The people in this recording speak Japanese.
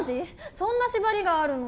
そんな縛りがあるの？